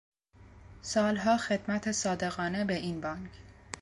سالها خدمت صادقانه به این بانک